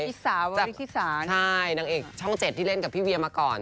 พี่สาวกับพี่ชิสาใช่นางเอกช่องเจ็ดที่เล่นกับพี่เวียมาก่อน